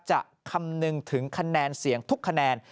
คำนึงถึงคะแนนเสียงทุกคะแนน